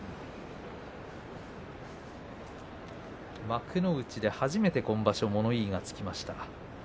幕内で初めて今場所、物言いがつきました。